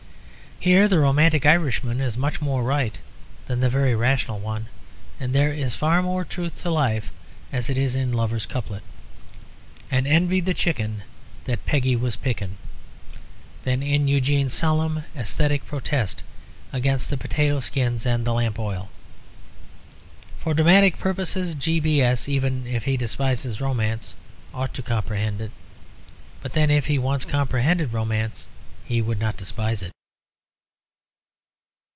Here the romantic Irishman is much more right than the very rational one; and there is far more truth to life as it is in Lover's couplet "And envied the chicken That Peggy was pickin'." than in Eugene's solemn, æsthetic protest against the potato skins and the lamp oil. For dramatic purposes, G. B. S., even if he despises romance, ought to comprehend it. But then, if once he comprehended romance, he would not despise it.